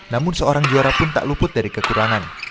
namun seorang juara pun tak luput dari kekurangan